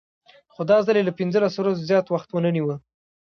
خو دا ځل یې له پنځلسو ورځو زیات وخت ونه نیوه.